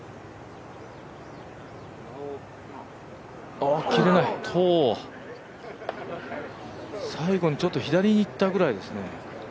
ああ、切れない最後にちょっと左にいったくらいですね。